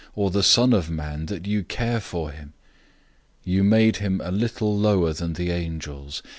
Or the son of man, that you care for him? 002:007 You made him a little lower than the angels.